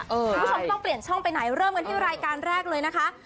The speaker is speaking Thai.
คุณผู้ชมต้องเปลี่ยนช่องไปไหนเริ่มกันที่รายการแรกเลยนะคะ